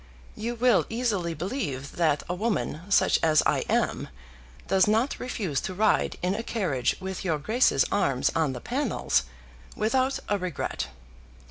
You will easily believe that a woman, such as I am, does not refuse to ride in a carriage with your Grace's arms on the panels without a regret.